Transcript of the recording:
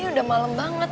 ini udah malem banget